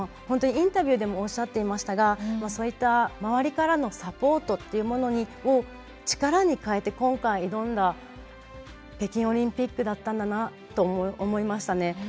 本当インタビューでもおっしゃっていましたがそうやった周りからのサポートというものを力にかえて今回、挑んだ北京オリンピックだったんだなと思いましたね。